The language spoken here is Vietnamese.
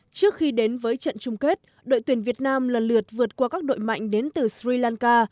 trước khi đến với trận chung kết đội tuyển việt nam lần lượt vượt qua các đội mạnh đến từ sri lanka